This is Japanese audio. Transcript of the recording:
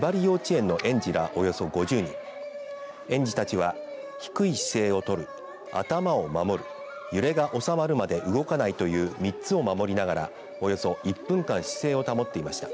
園児たちは、低い姿勢を取る頭を守る揺れが収まるまで動かないという３つを守りながら、およそ１分間姿勢を保っていました。